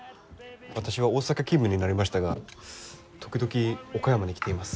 私は大阪勤務になりましたが時々岡山に来ています。